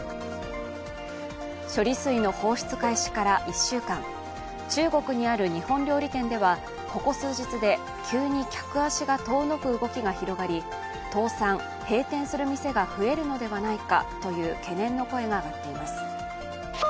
処理水の放出開始から１週間、中国にある日本料理店ではここ数日で急に客足が遠のく動きが広がり、倒産・閉店する店が増えるのではないかという懸念の声が上がっています。